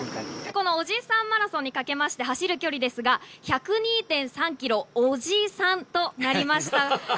このおじさんマラソンにかけまして走る距離ですが、１０２．３キロ、おじさんとなりました。